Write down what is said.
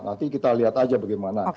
nanti kita lihat aja bagaimana